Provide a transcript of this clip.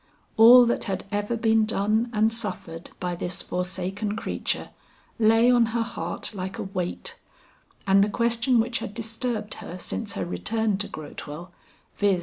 All that had ever been done and suffered by this forsaken creature, lay on her heart like a weight; and the question which had disturbed her since her return to Grotewell, viz.